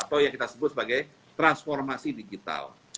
atau yang kita sebut sebagai transformasi digital